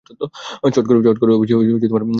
চট করে অবশ্যি কোনো কিছুই পাওয়া যায় না।